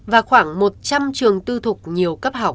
và khoảng một trăm linh trường tư thuộc nhiều